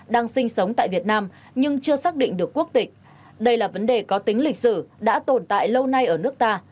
đang sinh sống tại việt nam nhưng chưa xác định được quốc tịch đây là vấn đề có tính lịch sử đã tồn tại lâu nay ở nước ta